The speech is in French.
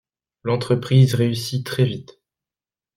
L'entreprise réussit très vite.